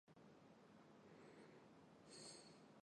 望谟崖摩为楝科崖摩属下的一个种。